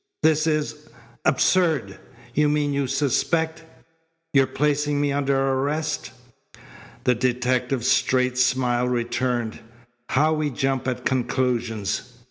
"This is absurd. You mean you suspect You're placing me under arrest?" The detective's straight smile returned. "How we jump at conclusions!